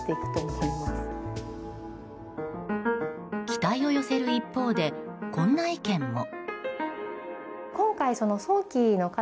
期待を寄せる一方でこんな意見も。